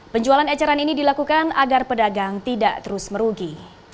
penjualan eceran ini dilakukan agar pedagang tidak terus merugi